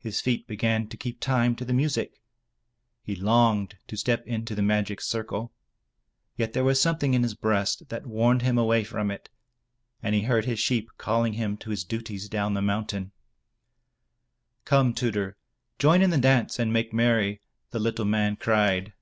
His feet began to keep time to the music. He longed to step into the magic circle. Yet there was something in his breast that warned him away from it, and he heard his sheep calling him to his duties down the mountain. "Come, Tudur, join in the dance, and make merry,*' the little man cried.